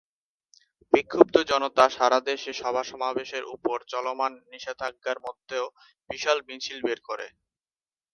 বিক্ষুব্ধ জনতা সারা দেশে সভা সমাবেশের উপর চলমান নিষেধাজ্ঞার মধ্যেও বিশাল মিছিল বের করে।